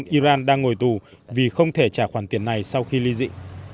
iran đang ngồi tù vì không thể trả khoản tiền này sau khi ly dị